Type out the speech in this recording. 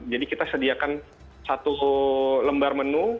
jadi kita sediakan satu lembar menu